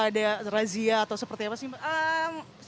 ada razia atau seperti apa sih mbak